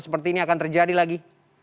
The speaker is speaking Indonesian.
seperti ini akan terjadi lagi